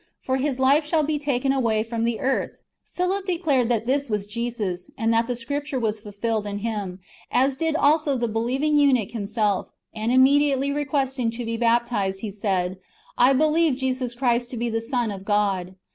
for His life shall be taken away from the earth." ^ [Philip declared] that this was Jesus, and that the Scripture was fulfilled in Him ; as did also the believing eunuch himself : and, immediately re questing to be baptized, he said, " I believe Jesus Christ to be the Son of God."